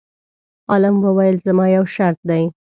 عالم وویل: زما یو شرط دی.